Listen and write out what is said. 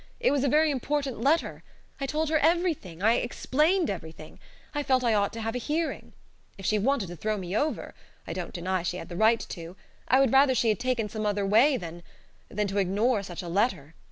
It was a very important letter. I told her everything. I explained everything. I felt I ought to have a hearing. If she wanted to throw me over (I don't deny she had the right to) I would rather she had taken some other way than than to ignore such a letter.